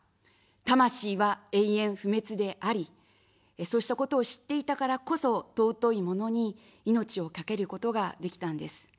魂は永遠不滅であり、そうしたことを知っていたからこそ、尊いものに命をかけることができたんです。